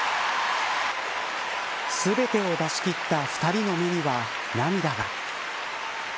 全てを出し切った２人の目には涙が。